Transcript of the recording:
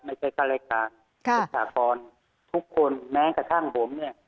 ไม่ใช่แค่รายการสาคอนทุกคนแม้กระทั่งผมเนี่ย